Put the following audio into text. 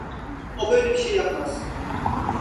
O böyle bir şey yapmaz.